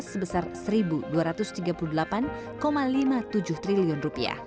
sebesar rp satu dua ratus tiga puluh delapan lima puluh tujuh triliun